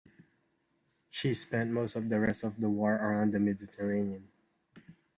She spent most of the rest of the war around the Mediterranean.